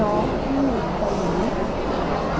เรื่องทำดีสิทธิ์ค่ะ